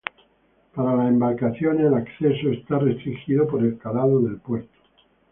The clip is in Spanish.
Para las embarcaciones el acceso está restringido por el calado del puerto.